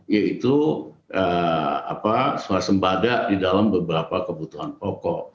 yaitu swasembada di dalam beberapa kebutuhan pokok